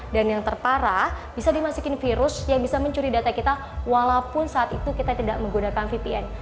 dan yang terparah bisa dimasukin virus yang bisa mencuri data kita walaupun saat itu kita tidak menggunakan vpn